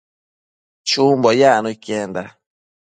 Chumbo yacno iquenda